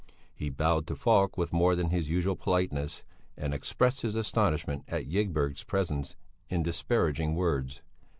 He bowed to Falk with more than his usual politeness, and expressed his astonishment at Ygberg's presence in disparaging words.